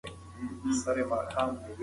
د غچ اخیستنې فکر ټولنه ویشي.